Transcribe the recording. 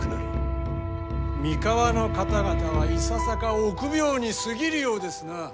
三河の方々はいささか臆病に過ぎるようですなあ。